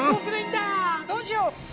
どうしよう？